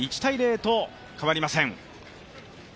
１−０と変わりません。